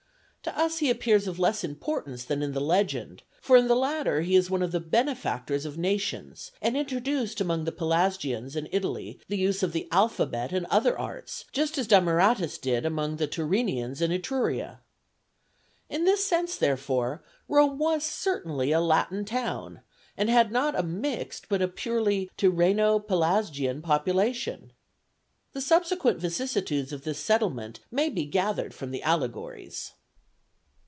To us he appears of less importance than in the legend, for in the latter he is one of the benefactors of nations, and introduced among the Pelasgians in Italy the use of the alphabet and other arts, just as Damaratus did among the Tyrrhenians in Etruria. In this sense, therefore, Rome was certainly a Latin town, and had not a mixed but a purely Tyrrheno Pelasgian population. The subsequent vicissitudes of this settlement may be gathered from the allegories.